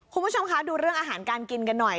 คุณผู้ชมคะดูเรื่องอาหารการกินกันหน่อย